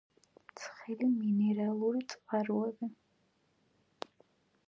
ცხელი მინერალური წყაროები.